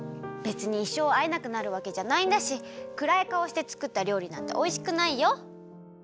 べつにいっしょうあえなくなるわけじゃないんだしくらいかおしてつくったりょうりなんておいしくないよ！